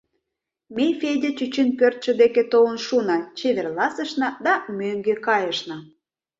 Ме Федя чӱчӱн пӧртшӧ деке толын шуна, чеверласышна да мӧҥгӧ кайышна.